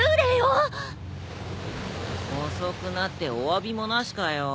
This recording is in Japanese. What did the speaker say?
遅くなっておわびもなしかよ。